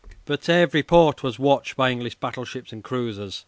But every port was watched by English battleships and cruisers.